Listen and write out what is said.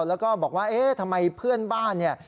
แล้วก็บอกว่าเอ๊ะทำไมเพื่อนบ้านเนี่ย